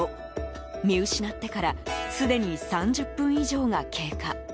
見失ってからすでに３０分以上が経過。